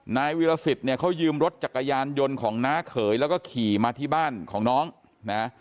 นายวิรสิตเนี่ยเขายืมรถจักรยานยนต์ของน้าเขยแล้วก็ขี่มาที่บ้านของน้องนะ